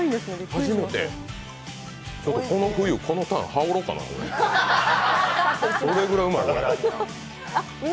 初めて、この冬、このタン、羽織ろうかな。